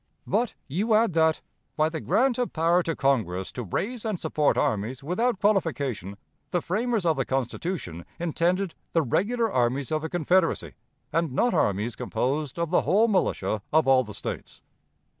"But you add that, 'by the grant of power to Congress to raise and support armies without qualification, the framers of the Constitution intended the regular armies of the Confederacy, and not armies composed of the whole militia of all the States.'